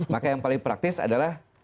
maka yang paling praktis adalah